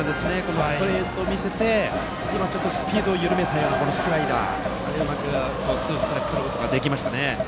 ストレートを見せてそしてスピードを緩めたスライダーでうまくツーストライクをとることができました。